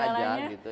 ya tenang aja gitu